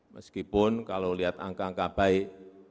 meskipun kalau lihat angka angka baik